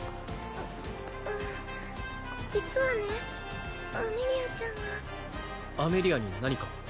ううん実はねアメリアちゃんがアメリアに何か？